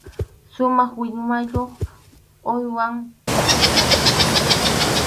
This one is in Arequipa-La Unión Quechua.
Sumaq millwayuq uywam paquchaqa.